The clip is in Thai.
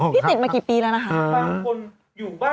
ติดมากี่ปีแล้วนะครับ